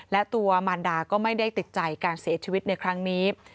และตัวมารดาก็ไม่ได้ติดใจการเสียชีวิตในครั้งนี้